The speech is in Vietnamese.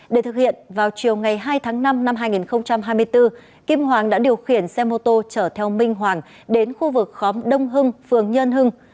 để thực hiện vào chiều ngày hai tháng năm năm hai nghìn hai mươi bốn kim hoàng đã điều khiển xe mô tô chở theo minh hoàng đến khu vực khóm đông hưng phường nhân hưng